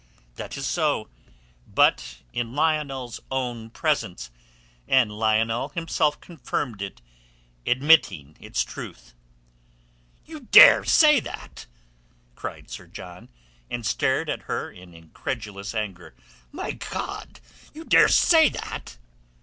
"That is so; but in Lionel's own presence, and Lionel himself confirmed it—admitting its truth." "You dare say that?" cried Sir John, and stared at her in incredulous anger. "My God! You dare say that?"